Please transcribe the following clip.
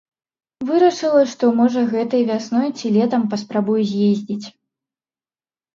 Вырашыла, што можа гэтай вясной ці летам паспрабую з'ездзіць.